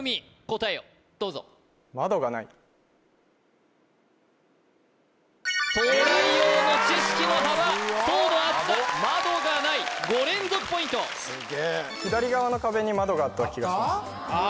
答えをどうぞ東大王の知識の幅層の厚さ窓がない５連続ポイント左側の壁に窓があった気がしたんですああ